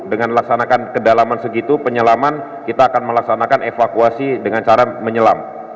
dengan laksanakan kedalaman segitu penyelaman kita akan melaksanakan evakuasi dengan cara menyelam